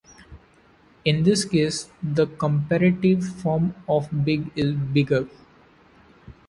In this case, the comparative form of "big" is "bigger".